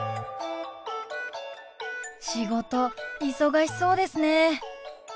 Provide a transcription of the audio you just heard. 仕事忙しそうですね。